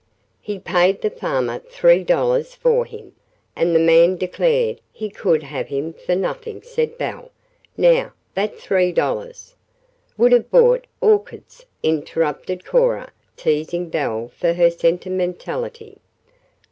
"He paid the farmer three dollars for him, and the man declared he could have him for nothing," said Belle. "Now, that three dollars " "Would have bought orchids," interrupted Cora, teasing Belle for her sentimentality.